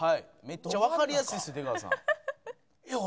めっちゃわかりやすいですよ